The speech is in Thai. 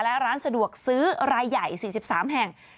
และร้านสะดวกซื้อรายใหญ่๔๓แห่ง